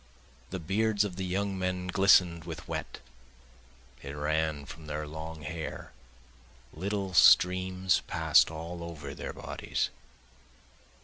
The beards of the young men glisten'd with wet, it ran from their long hair, Little streams pass'd all over their bodies.